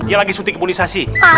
dia lagi suntik imunisasi